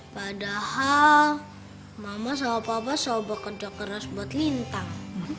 padahal mama sama papa selalu bekerja keras buat lintang